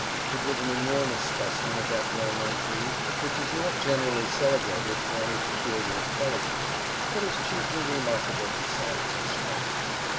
It was an enormous specimen of that well known breed, which is not generally celebrated for any peculiar intelligence, but is chiefly remarkable for size and strength.